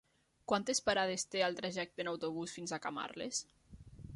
Quantes parades té el trajecte en autobús fins a Camarles?